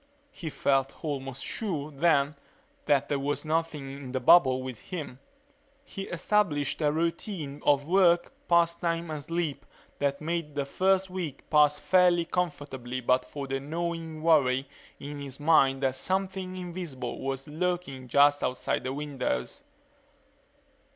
He felt almost sure, then, that there was nothing in the bubble with him. He established a routine of work, pastime and sleep that made the first week pass fairly comfortably but for the gnawing worry in his mind that something invisible was lurking just outside the windows.